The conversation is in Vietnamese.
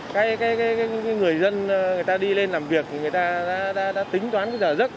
cái người dân người ta đi lên làm việc thì người ta đã tính toán cái giờ giấc